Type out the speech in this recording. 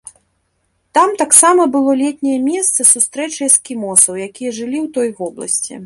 Там таксама было летняе месца сустрэчы эскімосаў, якія жылі ў той вобласці.